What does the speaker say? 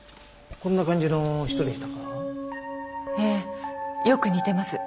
こんな感じの人でした。